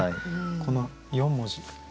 この４文字。